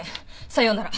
さようなら。